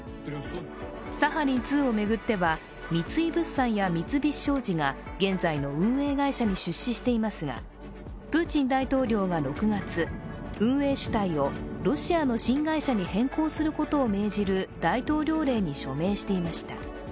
サハリン２を巡っては、三井物産や三菱商事が現在の運営会社に出資していますがプーチン大統領が６月、運営主体をロシアの新会社に変更することを命じる大統領令に署名していました。